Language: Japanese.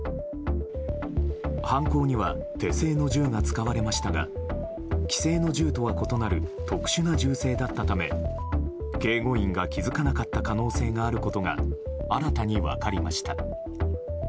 犯行には手製の銃が使われましたが既製の銃とは異なる特殊な銃声だったため警護員が気付かなかった可能性があることが新たに分かりました。